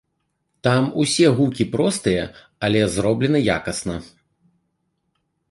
Там усе гукі простыя, але зроблена якасна.